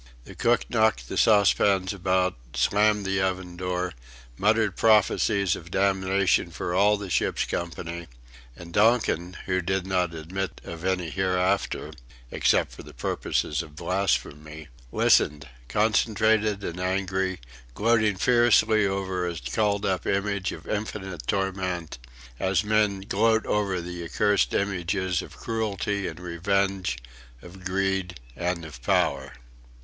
The cook knocked the saucepans about, slammed the oven door, muttered prophesies of damnation for all the ship's company; and Donkin, who did not admit of any hereafter (except for purposes of blasphemy) listened, concentrated and angry, gloating fiercely over a called up image of infinite torment as men gloat over the accursed images of cruelty and revenge, of greed, and of power....